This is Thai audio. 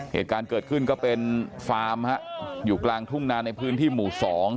เหตุการณ์เกิดขึ้นก็เป็นฟาร์มฮะอยู่กลางทุ่งนาในพื้นที่หมู่๒